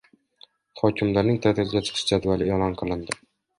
Hokimlarning ta’tilga chiqish jadvali e’lon qilindi